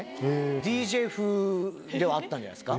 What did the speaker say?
ＤＪ風ではあったんじゃないですか。